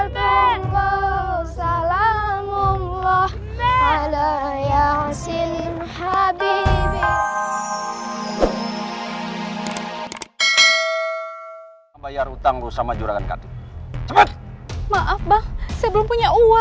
bukan urusan kami